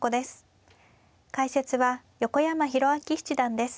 解説は横山泰明七段です。